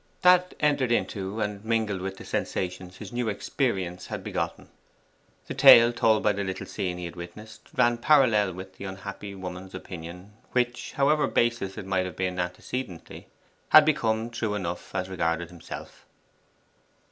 That entered into and mingled with the sensations his new experience had begotten. The tale told by the little scene he had witnessed ran parallel with the unhappy woman's opinion, which, however baseless it might have been antecedently, had become true enough as regarded himself.